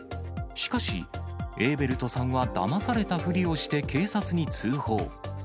しかし、エーベルトさんはだまされたふりをして警察に通報。